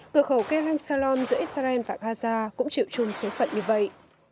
cửa khẩu kerem salon giữa israel và gaza cũng chịu chung số phận như vậy